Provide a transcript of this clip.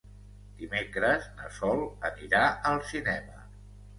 Dimecres na Sol anirà al cinema.